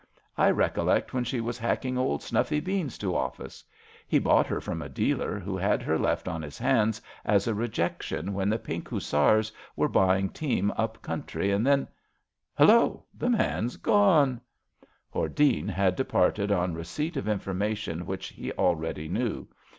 I recollect when she was hacking old Snuffy Beans to ofSce. He bought her from a dealer, who had her left on his hands as a rejection when the Fink Hussars were buying team up country and then Hullo I The man's gone I *' Hordene had departed on receipt of information which he already knew.